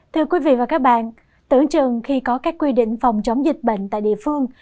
thưa quý vị và các bạn tưởng chừng khi có các quy định phòng chống dịch bệnh tại địa phương